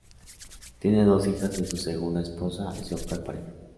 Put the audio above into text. Tiene dos hijas de su segunda esposa y su actual pareja.